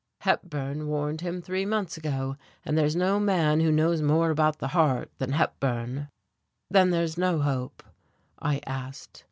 Hepburn warned him three months ago, and there's no man who knows more about the heart than Hepburn." "Then there's no hope?" I asked.